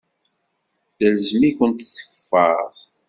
Telzem-iken tkeffart.